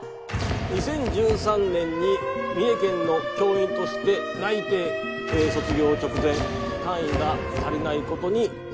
２０１３年に三重県の教員として内定卒業直前単位が足りないことに気づき